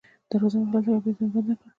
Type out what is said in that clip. دروازه مې خلاصه کړه او بېرته مې بنده کړه.